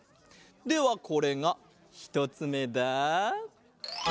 ではこれがひとつめだ。